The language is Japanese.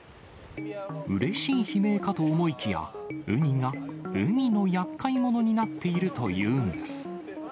うれしい悲鳴かと思いきや、ウニが海のやっかい者になっているというんです。